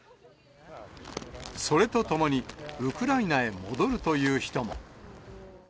それとともに、ウクライナへ戻るという人も。